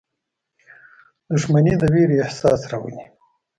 • دښمني د ویرې احساس راولي.